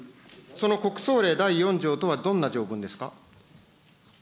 その国葬令第４条とはどんな条文ですか。